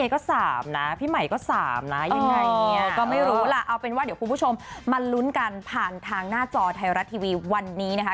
ก็ไม่รู้ล่ะเอาเป็นว่าเดี๋ยวคุณผู้ชมมาลุ้นกันผ่านทางหน้าจอไทยรัฐทีวีวันนี้นะคะ